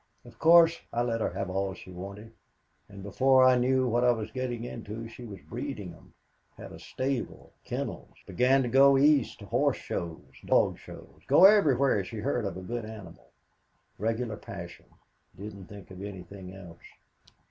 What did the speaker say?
Of course, I let her have all she wanted, and before I knew what I was getting into she was breeding 'em had a stable, kennels, began to go East to horse shows, dog shows; go anywhere she heard of a good animal. Regular passion didn't think of anything else.